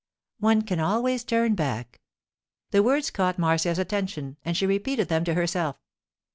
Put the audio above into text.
'One can always turn back.' The words caught Marcia's attention, and she repeated them to herself.